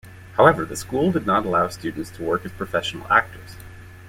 However, the school did not allow students to work as professional actors.